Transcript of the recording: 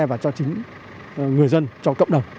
và cho chính người dân cho cộng đồng